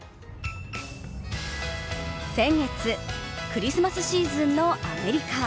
先月、クリスマスシーズンのアメリカ。